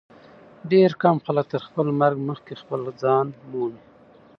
ډېر کم خلک تر خپل مرګ مخکي خپل ځان مومي.